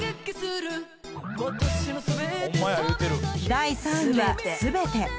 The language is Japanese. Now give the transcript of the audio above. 第３位は「全て」